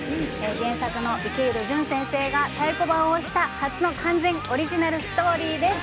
原作の池井戸潤先生が太鼓判を押した初の完全オリジナルストーリーです。